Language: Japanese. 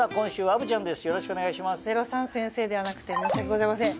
「０３」先生ではなくて申し訳ございません。